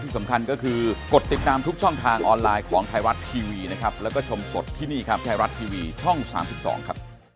ผมอ่ะคุยเวลาเค้ารับความผมก็เห็นเค้ารับอยู่ครับรับ